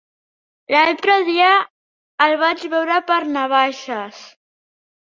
L'altre dia el vaig veure per Navaixes.